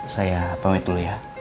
saya pamit dulu ya